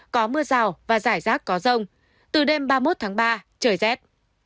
có mưa rào và rải rác có rông từ đêm ba mươi một tháng ba trời rét